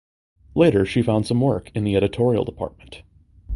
Later she found some work in the editorial department.